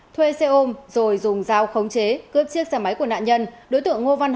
thuê xe ôm rồi dùng dao khống chế cướp chiếc xe máy của nạn nhân